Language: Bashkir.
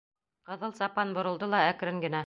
Ҡыҙыл сапан боролдо ла әкрен генә: